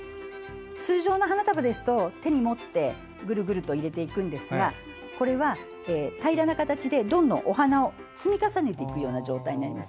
通常の花束だと手に持って入れていくんですがこれは、平らな形でどんどんお花を積み重ねていくような状態になります。